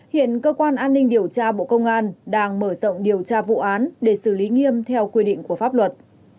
hiện cơ quan an ninh điều tra bộ công an đang mở rộng điều tra vụ án để xử lý nghiêm theo quy định của pháp luật